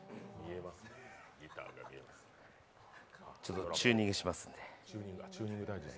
ちょっとチューニングしますんで。